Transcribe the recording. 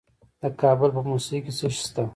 د کابل په موسهي کې څه شی شته؟